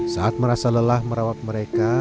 saat merasa lelah merawat mereka